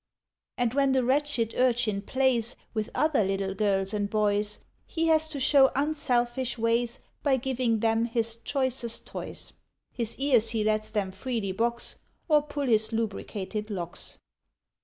And, when the wretched urchin plays With other little girls and boys, He has to show unselfish ways By giving them his choicest toys; His ears he lets them freely box, Or pull his lubricated locks.